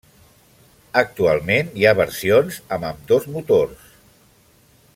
Actualment hi ha versions amb ambdós motors.